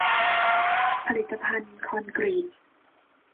ผลิตภัณฑ์คอนกรีต